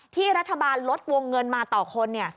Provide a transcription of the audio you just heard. ที่อาทบาลลดวงเงินมาต่อคนเนี่ย